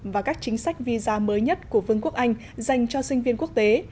và các chính sách visa mới nhất của vương quốc anh dành cho sinh viên quốc tế